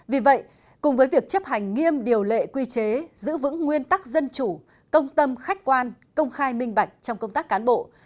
vì vậy cùng với việc chấp hành nghiêm điều lệ quy chế giữ vững nguyên tắc dân chủ công tâm khách quan công khai minh bạch trong công tác cán bộ